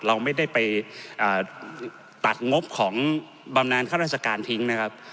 เราไม่ได้ไปตัดงบของบำนานข้าราชการทิ้งนะครับ